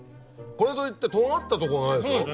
これといってとがったとこがないでしょ。